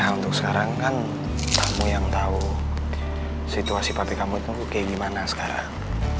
ya untuk sekarang kan kamu yang tau situasi papi kamu tuh kayak gimana sekarang